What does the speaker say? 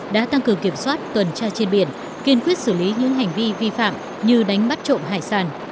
đã tăng cường kiểm soát tuần tra trên biển kiên quyết xử lý những hành vi vi phạm như đánh bắt trộm hải sản